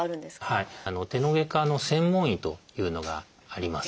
手の外科の専門医というのがあります。